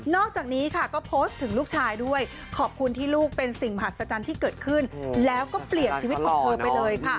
อกจากนี้ค่ะก็โพสต์ถึงลูกชายด้วยขอบคุณที่ลูกเป็นสิ่งมหัศจรรย์ที่เกิดขึ้นแล้วก็เปลี่ยนชีวิตของเธอไปเลยค่ะ